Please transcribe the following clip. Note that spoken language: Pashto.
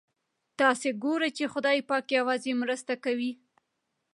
تاسو ګورئ چې خدای پاک یوازې مرسته کوي.